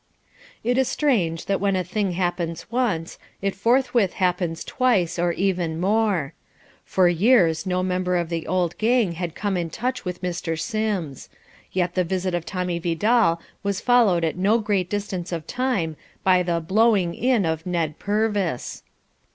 It is strange that when a thing happens once, it forthwith happens twice or even more. For years no member of the "old gang" had come in touch with Mr. Sims. Yet the visit of Tommy Vidal was followed at no great distance of time by the "blowing in" of Ned Purvis.